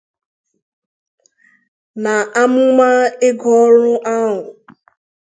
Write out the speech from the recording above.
N'amụmà ego ọrụ ahụ